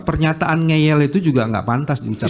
pernyataan ngeyel itu juga nggak pantas diucapkan